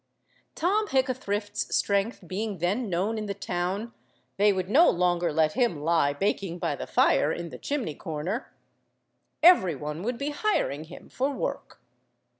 Tom Hickathrift's strength being then known in the town they would no longer let him lie baking by the fire in the chimney–corner. Every one would be hiring him for work.